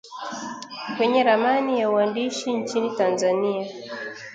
Kwenye ramani ya uandishi nchini Tanzania